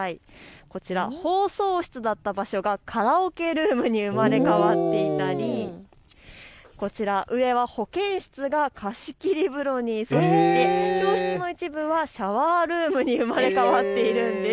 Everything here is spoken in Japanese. こちら、放送室だった場所がカラオケルームに生まれ変わっていたり、こちら、上は保健室が貸し切り風呂になっていまして教室の一部はシャワールームに生まれ変わっているんです。